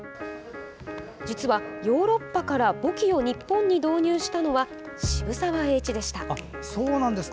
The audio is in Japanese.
実は、ヨーロッパから簿記を日本に導入したのは渋沢栄一でした。